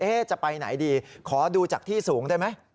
จะไปไหนดีขอดูจากที่สูงได้ไหม